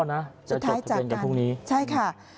สุดท้ายจากกันจะจดทะเบนกันพรุ่งนี้ใช่ค่ะ